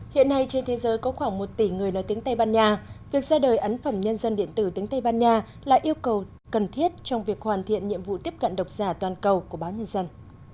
hiện nay trên thế giới có khoảng một tỷ người nói tiếng tây ban nha việc ra đời ấn phẩm nhân dân điện tử tính tây ban nha là yêu cầu cần thiết trong việc hoàn thiện nhiệm vụ tiếp cận độc giả toàn cầu của báo nhân dân